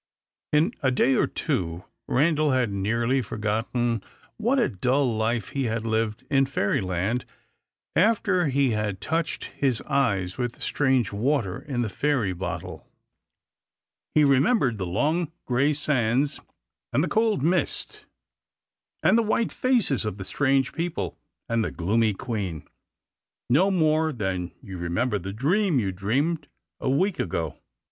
In a day or two, Randal had nearly forgotten what a dull life he had lived in Fairyland, after he had touched his eyes with the strange water in the fairy bottle. He remembered the long, grey sands, and the cold mist, and the white faces of the strange people, and the gloomy queen, no more than you remember the dream you dreamed a week ago.